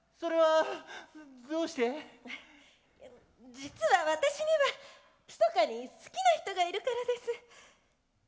実は私にはひそかに好きな人がいるからです。